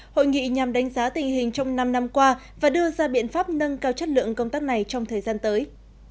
hội nghị nhằm đánh giá tình hình trong năm năm qua và đưa ra biện pháp nâng cao chất lượng công tác này trong thời gian tới